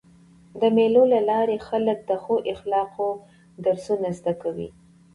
د مېلو له لاري خلک د ښو اخلاقو درسونه زده کوي.